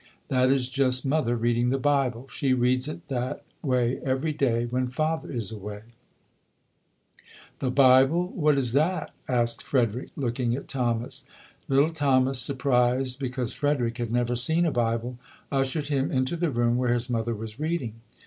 That is just Mother reading the Bible. She reads it that way every day when Father is away". 22 ] UNSUNG HEROES "The Bible? What is that?" asked Frederick, looking at Thomas. Little Thomas, surprised be cause Frederick had never seen a Bible, ushered him into the room where his mother was reading.